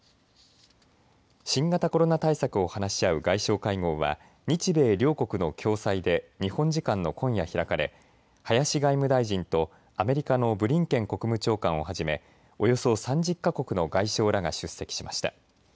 新型コロナ対策を話し合う外相会合は日米両国の共催で日本時間の今夜、開かれ林外務大臣とアメリカのブリンケン国務長官をはじめおよそ３０か国の外相らが出席しました。